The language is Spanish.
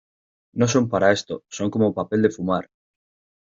no son para esto, son como papel de fumar.